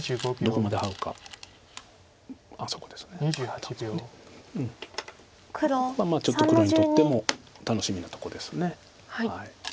ここはちょっと黒にとっても楽しみなとこです。